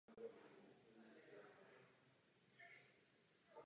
Již téhož dne večer byla ale povodeň odvolána.